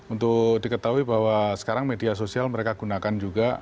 untuk diketahui bahwa sekarang media sosial mereka gunakan juga